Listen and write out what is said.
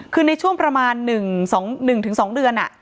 คือในช่วงประมาณ๑๒เดือน